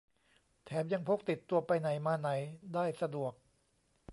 แถมยังพกติดตัวไปไหนมาไหนได้สะดวก